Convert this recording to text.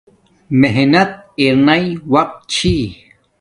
محنت ارناݵ وقت چھی